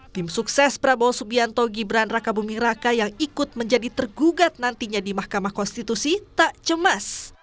tim sukses prabowo subianto gibran raka buming raka yang ikut menjadi tergugat nantinya di mahkamah konstitusi tak cemas